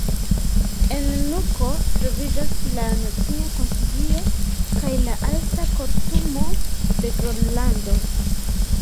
En Nuko troviĝas la Nacia Konsilio kaj la Alta Kortumo de Gronlando.